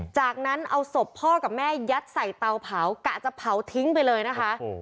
จากนั้นเอาศพพ่อกับแม่ยัดใส่เตาเผากะจะเผาทิ้งไปเลยนะคะ